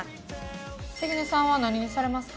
関根さんは何にされますか？